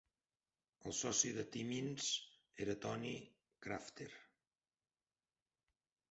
El soci de Timmins era Tony Crafter.